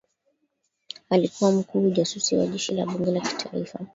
alikuwa mkuu ujasusi wa jeshi la bunge la kitaifa